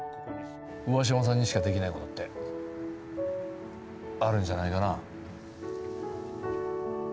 上嶋さんにしかできないことってあるんじゃないかな。